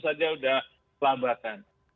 saja sudah kelabakan